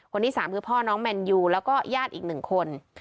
คนที่๓คือพ่อน้องแมนยูแล้วก็ญาติอีก๑คน